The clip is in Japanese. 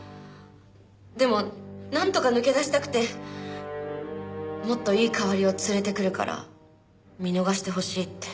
でもなんとか抜け出したくてもっといい代わりを連れてくるから見逃してほしいって。